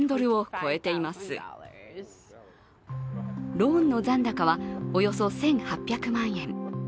ローンの残高はおよそ１８００万円。